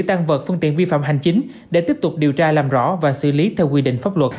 tăng vật phương tiện vi phạm hành chính để tiếp tục điều tra làm rõ và xử lý theo quy định pháp luật